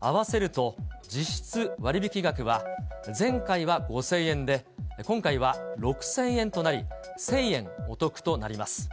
合わせると、実質割引額は前回は５０００円で、今回は６０００円となり、１０００円お得となります。